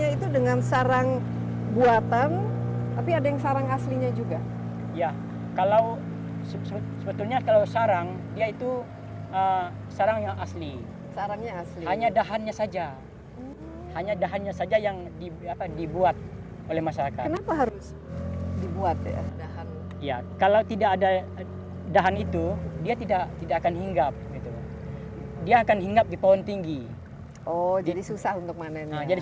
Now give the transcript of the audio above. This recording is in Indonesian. itu banyak sarang kayaknya